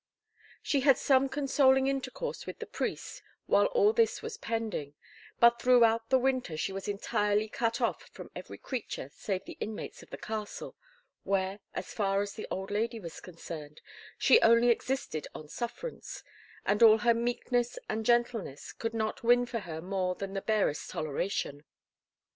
She had some consoling intercourse with the priest while all this was pending; but throughout the winter she was entirely cut off from every creature save the inmates of the castle, where, as far as the old lady was concerned, she only existed on sufferance, and all her meekness and gentleness could not win for her more than the barest toleration.